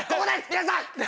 皆さん！